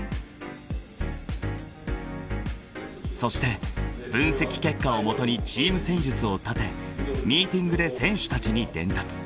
［そして分析結果を基にチーム戦術を立てミーティングで選手たちに伝達］